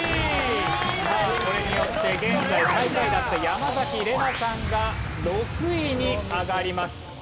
さあこれによって現在最下位だった山崎怜奈さんが６位に上がります。